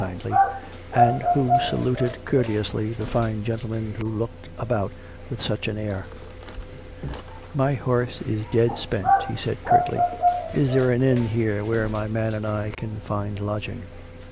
COME ROPE! kindly, and who saluted courteously the fine gentleman who looked about with such an air. " My horse is dead spent," he said curtly. " Is there an inn here where my man and I can find lodging?